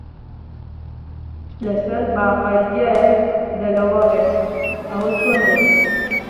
لەسەر باقە گیایەک دەلەوەڕێن، ئەوە چۆن دەبێ؟